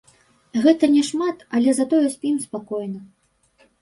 Гэта няшмат, але затое спім спакойна.